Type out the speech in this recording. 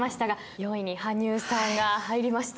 ４位に羽生さんが入りました。